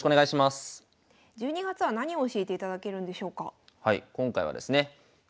１２月は何を教えていただけるんでしょうか？